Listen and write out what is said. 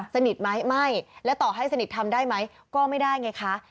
สนิทไหมไม่และต่อให้สนิททำได้ไหมก็ไม่ได้ไงคะ